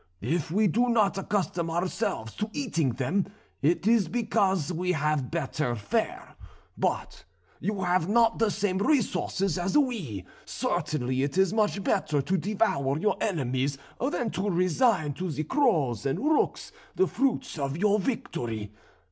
If we do not accustom ourselves to eating them, it is because we have better fare. But you have not the same resources as we; certainly it is much better to devour your enemies than to resign to the crows and rooks the fruits of your victory.